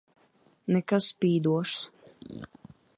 Nekas spīdošs.